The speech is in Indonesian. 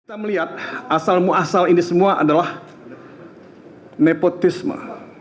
kita melihat asal muasal ini semua adalah nepotisme